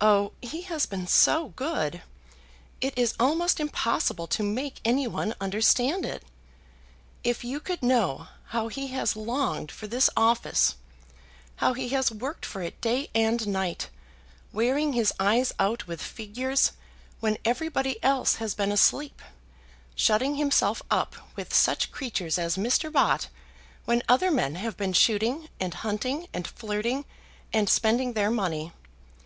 Oh, he has been so good! It is almost impossible to make any one understand it. If you could know how he has longed for this office; how he has worked for it day and night, wearing his eyes out with figures when everybody else has been asleep, shutting himself up with such creatures as Mr. Bott when other men have been shooting and hunting and flirting and spending their money.